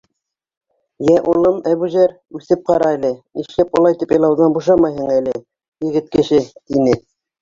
— Йә, улым Әбүзәр, үҫеп ҡара әле, нишләп улайтып илауҙан бушамайһың әле, егет кеше? — тине.